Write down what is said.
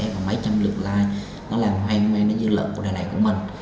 và mấy trăm lượt like nó làm hoang mang đến dư luận của đại đại của mình